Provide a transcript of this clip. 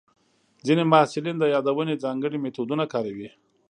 ځینې محصلین د یادونې ځانګړي میتودونه کاروي.